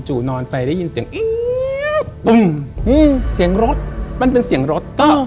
จู่นอนไปได้ยินเสียงฮือฮือเสียงรถมันเป็นเสียงรถ